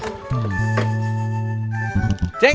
tidak ke warungnya entin ceng